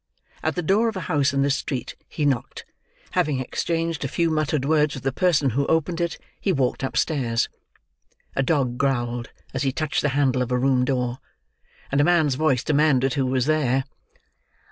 At the door of a house in this street, he knocked; having exchanged a few muttered words with the person who opened it, he walked upstairs. A dog growled as he touched the handle of a room door; and a man's voice demanded who was there.